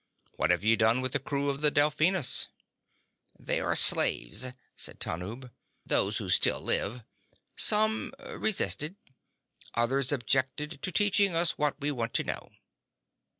What have you done with the crew of the Delphinus?" "They are slaves," said Tanub. "Those who still live. Some resisted. Others objected to teaching us what we want to know."